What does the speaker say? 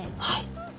はい。